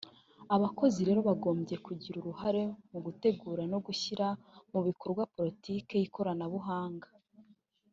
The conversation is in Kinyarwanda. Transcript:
Abakozi rero bagombye kugira uruhare mu gutegura no gushyira mu bikorwa politiki y’ikoranabuhanga